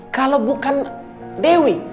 kalau bukan dewi